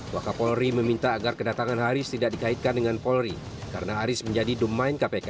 wakapolri meminta agar kedatangan haris tidak dikaitkan dengan polri karena aris menjadi domain kpk